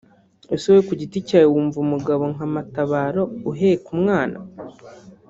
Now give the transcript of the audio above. Ese wowe ku giti cyawe wumva umugabo nka Matabaro uheka umwana